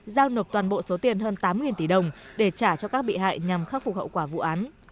giao nộp toàn bộ số tiền hơn tám tỷ đồng để trả cho các bị hại nhằm khắc phục hậu quả vụ án